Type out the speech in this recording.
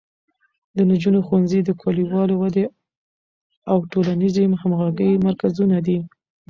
د نجونو ښوونځي د کلیوالو ودې او د ټولنیزې همغږۍ مرکزونه دي.